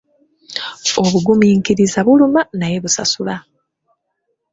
Obugumiikiriza buluma naye busasula.